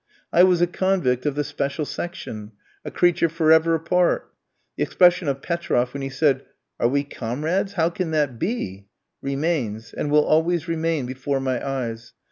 I was a convict of the "special section," a creature for ever apart. The expression of Petroff when he said, "are we comrades, how can that be?" remains, and will always remain before my eyes.